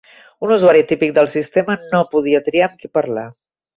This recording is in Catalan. Un usuari típic del sistema no podia triar amb qui parlar.